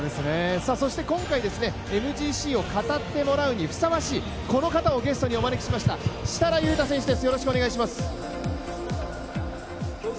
そして今回、ＭＧＣを語ってもらうにふさわしい、この方をゲストにお招きしました、設楽悠太選手です、よろしくお願いします。